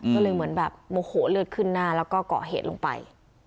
ก็เลยเหมือนแบบโมโหเลือดขึ้นหน้าแล้วก็เกาะเหตุลงไป